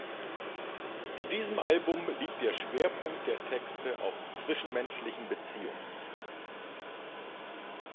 In diesem Album liegt der Schwerpunkt der Texte auf zwischenmenschlichen Beziehungen.